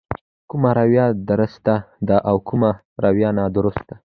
کومه رويه درسته ده او کومه رويه نادرسته.